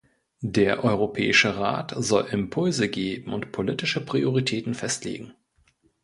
Der Europäische Rat soll Impulse geben und politische Prioritäten festlegen.